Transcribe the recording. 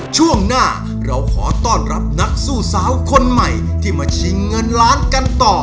ช่วงหน้าเราขอต้อนรับนักสู้สาวคนใหม่ที่มาชิงเงินล้านกันต่อ